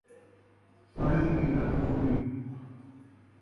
سئیں دی رکھ ہووی